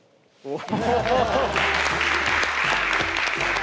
お！